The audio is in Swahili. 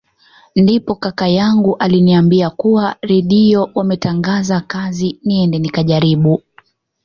Ndipo kaka yangu aliniambia kuwa Redio wametangaza kazi niende nikajaribu